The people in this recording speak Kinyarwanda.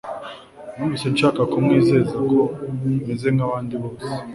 numvise nshaka kumwizeza ko meze nkabandi bose